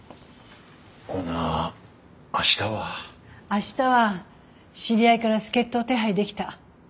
明日は知り合いから助っ人を手配できた。